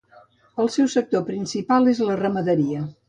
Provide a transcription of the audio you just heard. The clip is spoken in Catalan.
El seu sector principal era la ramaderia.